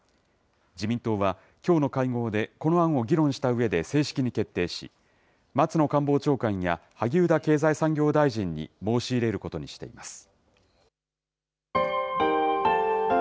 自民党はきょうの会合でこの案を議論したうえで正式に決定し、松野官房長官や萩生田経済産業大臣に申し入れることにしています。